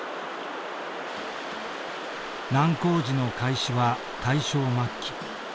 難工事の開始は大正末期。